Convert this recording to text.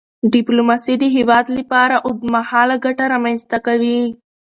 ډیپلوماسي د هیواد لپاره اوږدمهاله ګټه رامنځته کوي.